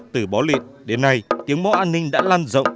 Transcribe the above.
từ bó liện đến nay tiếng mõ an ninh đã lan rộng